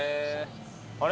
あれ？